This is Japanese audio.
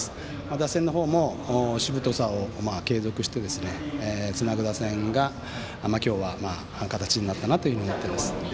打線の方もしぶとさを継続してつなぐ打線が今日は形になったと思っています。